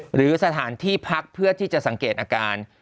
หรือสถานที่พักเพื่อที่จะสังเกตอาการ